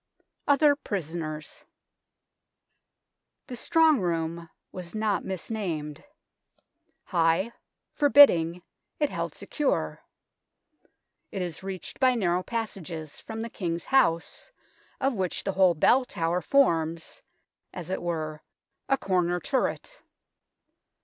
OTHER PRISONERS The " Strong Room " was not misnamed. High, forbidding, it held secure. It is reached by narrow passages from the King's House, of which the whole Bell Tower forms, as it were, a corner turret.